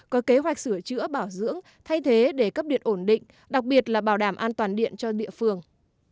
có kế hoạch sửa chữa bảo dưỡng thay thế để cấp điện ổn định đặc biệt là bảo đảm an toàn điện cho địa phương